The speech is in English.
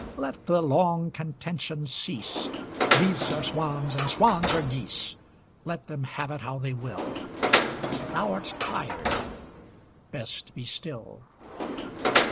Let the long contention cease! Geese are swans, and swans are geese. Let them have it how they will! Thou art tired; best be still.